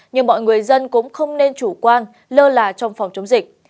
nhưng mọi người dân cũng không nên chủ quan lơ là trong phòng chống dịch